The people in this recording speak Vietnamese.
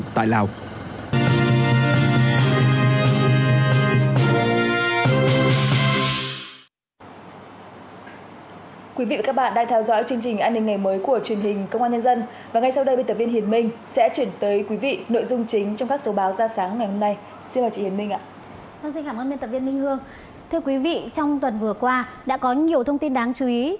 thưa quý vị trong tuần vừa qua đã có nhiều thông tin đáng chú ý